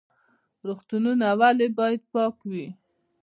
روغتونونه ولې باید پاک وي؟